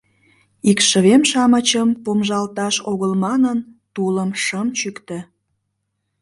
Икшывем-шамычым помыжалташ огыл манын, тулым шым чӱктӧ.